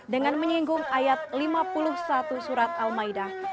dengan menyinggung ayat lima puluh satu surat al maidah